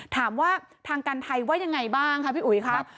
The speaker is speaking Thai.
ถามว่าทางการไทยว่ายังไงบ้างค่ะพี่อุ๋ยครับ